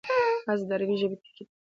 حذف د عربي ژبي ټکی دﺉ.